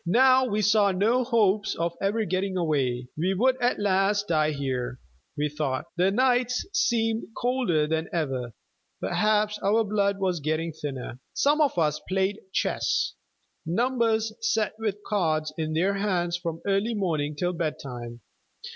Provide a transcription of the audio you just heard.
Now we saw no hopes of ever getting away. We would at last all die here, we thought. The nights seemed colder than ever; perhaps our blood was getting thinner. Some of us played chess; numbers sat with cards in their hands from early morning till bedtime.